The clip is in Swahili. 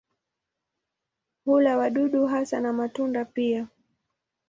Hula wadudu hasa na matunda pia.